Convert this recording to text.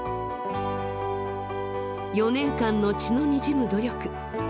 ４年間の血のにじむ努力。